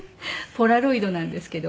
ポラロイドなんですけど。